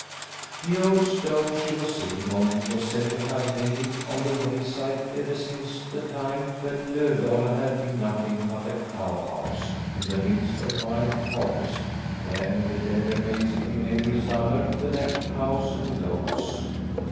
The old stone she was sitting on was said to have lain on the wayside ever since the time when Lovdala had been nothing but a cow house in the midst of wild forest where the dairy maids came every summer with their cows and goats.